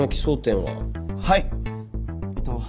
はい。